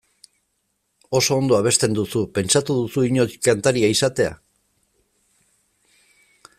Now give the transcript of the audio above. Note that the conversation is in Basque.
Oso ondo abesten duzu, pentsatu duzu inoiz kantaria izatea?